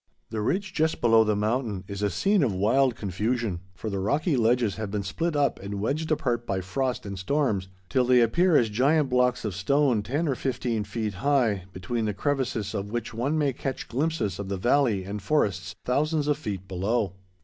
The ridge just below the summit is a scene of wild confusion, for the rocky ledges have been split up and wedged apart by frost and storms till they appear as giant blocks of stone ten or fifteen feet high, between the crevices of which one may catch glimpses of the valley and forests thousands of feet below.